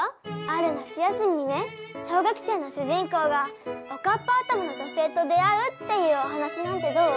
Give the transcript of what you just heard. ある夏休みにね小学生の主人公がおかっぱ頭の女せいと出会うっていうおはなしなんてどう？